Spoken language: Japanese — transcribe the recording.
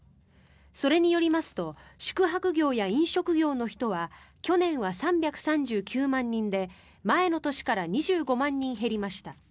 それによりますと宿泊業や飲食業の人は去年は３３９万人で前の年から２５万人減りました。